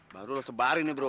baru lo sebarin ya bro